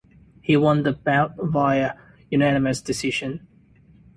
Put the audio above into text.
He won the bout via unanimous decision.